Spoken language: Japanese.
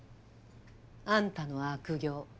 あんたの悪行